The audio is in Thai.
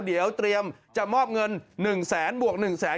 เดี๋ยวเตรียมจะมอบเงิน๑แสนบวก๑แสน